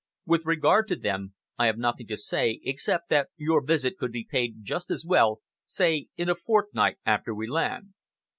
With regard to them, I have nothing to say, except that your visit could be paid just as well, say in a fortnight after we land."